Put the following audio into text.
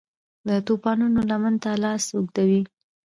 د توپانونو لمن ته لاس اوږدوي